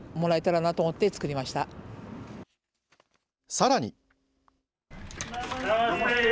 さらに。